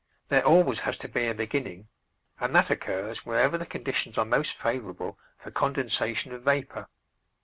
There always has to be a beginning, and that occurs wherever the conditions are most favorable for condensation of vapor.